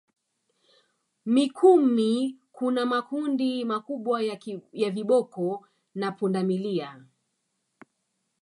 Mikumi kuna makundi makubwa ya viboko na pundamilia